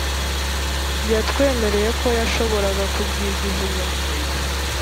yatwemereye ko yashoboraga kuryigiza inyuma